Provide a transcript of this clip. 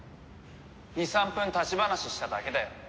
２３分立ち話しただけだよ。